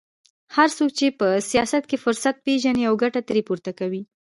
هر څوک په سیاست کې فرصت پېژني او ګټه ترې پورته کوي